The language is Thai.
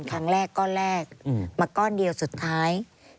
ครั้งแรกก็แรกมาก้อนเดียวสุดท้าย